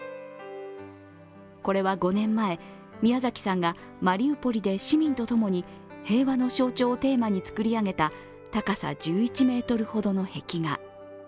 これは５年前、ミヤザキさんがマリウポリで市民とともに平和の象徴をテーマに作り上げた、高さ１１ｍほどの壁画。